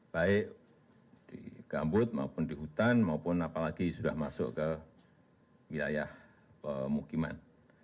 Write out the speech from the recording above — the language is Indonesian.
baik di gambut maupun di hutan maupun apalagi sudah masuk ke wilayah pemukiman